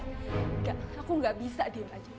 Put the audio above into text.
enggak aku nggak bisa diem aja